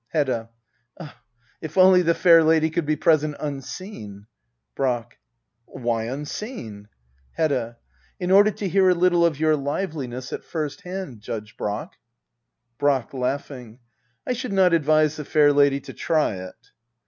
Hedda. Ah, if only the fair lady could be present un seen ! Brack. Why unseen } Hedda. In order to hear a little of your liveliness at first hand. Judge Brack. Brack. [Ijaughing,] I should not advise the fair lady to try it.